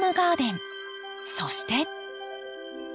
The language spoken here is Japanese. そして。